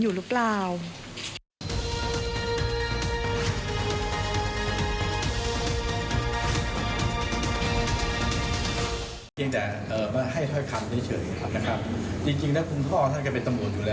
อยู่หรือเปล่า